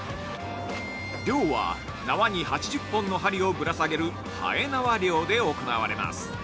漁は縄に８０本の針をぶら下げるはえ縄漁で行われます。